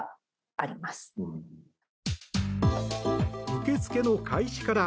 受け付けの開始から